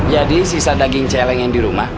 jadi sisa daging celeng yang di rumah